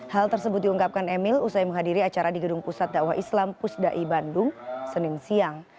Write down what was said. hal tersebut diungkapkan emil usai menghadiri acara di gedung pusat dakwah islam pusdai bandung senin siang